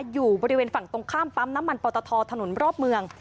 อยู่บริเวณฝั่งตรงข้ามปั๊มน้ำมันปอตทถนนรอบเมือง